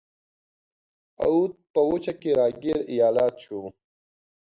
اَوَد په وچه کې را ګیر ایالت شو.